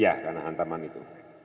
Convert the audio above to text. ya karena hantaman itu